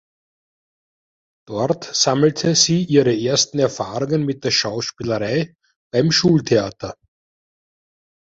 Dort sammelte sie ihre ersten Erfahrungen mit der Schauspielerei beim Schultheater.